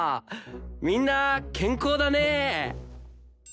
みんな健康だねえ。